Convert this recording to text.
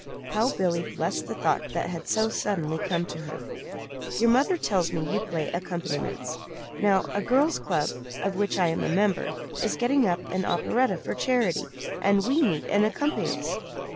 (How Billy blessed the thought that had so suddenly come to her!) "Your mother tells me you play accompaniments. Now a girls' club, of which I am a member, is getting up an operetta for charity, and we need an accompanist.